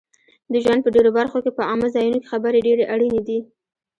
د ژوند په ډېرو برخو کې په عامه ځایونو کې خبرې ډېرې اړینې دي